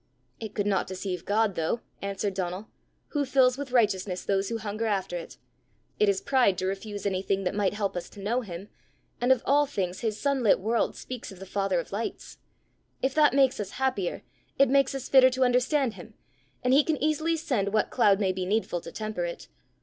"It could not deceive God, though," answered Donal, "who fills with righteousness those who hunger after it. It is pride to refuse anything that might help us to know him; and of all things his sun lit world speaks of the father of lights! If that makes us happier, it makes us fitter to understand him, and he can easily send what cloud may be needful to temper it.